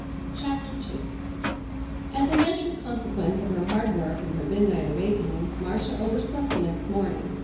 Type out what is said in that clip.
CHAPTER II As a natural consequence of her hard work and her midnight awakening, Marcia overslept the next morning.